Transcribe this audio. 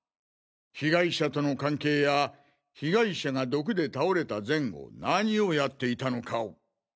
被害者との関係や被害者が毒で倒れた前後何をやっていたのかを。